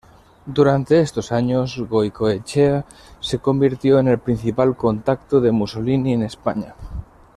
Durante estos años Goicoechea se convirtió en el principal contacto de Mussolini en España.